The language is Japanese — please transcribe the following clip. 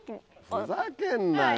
ふざけんなよ